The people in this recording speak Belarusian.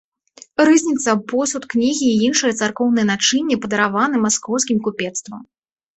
Рызніца, посуд, кнігі і іншае царкоўнае начынне падараваны маскоўскім купецтвам.